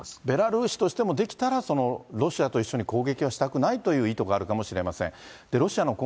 ベラルーシとしても、できたらロシアと一緒に攻撃はしたくないという意図があるかもしれません。